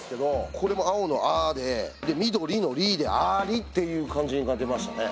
これも青の「あ」で緑の「り」で「アリ」っていう感じが出ましたね。